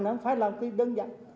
nó không phải là một cái đơn giản